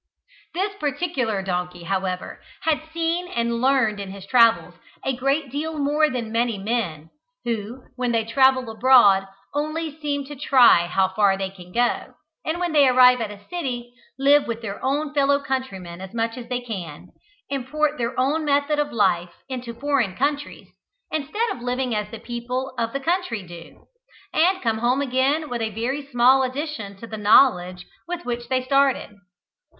This particular donkey, however, had seen and learned in his travels a great deal more than many men; who, when they travel abroad, only seem to try how far they can go, and when they arrive at a city, live with their own fellow countrymen as much as they can, import their own method of life into foreign countries, instead of living as the people of the country do; and come home again with a very small addition to the knowledge with which they started.